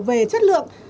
về chất lượng